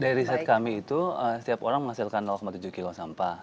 dari riset kami itu setiap orang menghasilkan tujuh kilo sampah